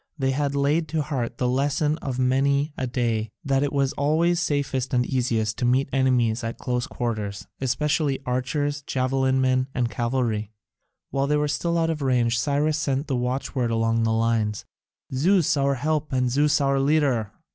They had laid to heart the lesson of many a day that it was always safest and easiest to meet enemies at close quarters, especially archers, javelin men, and cavalry. While they were still out of range, Cyrus sent the watchword along the lines, "Zeus our help and Zeus our leader."